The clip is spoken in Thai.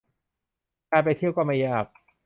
การไปเที่ยวก็ไม่ยาก